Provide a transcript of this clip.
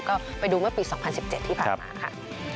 ก็ไปดูเมื่อปี๒๐๑๗ที่ผ่านมาค่ะ